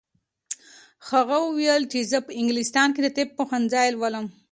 هغې وویل چې زه په انګلستان کې د طب پوهنځی لولم.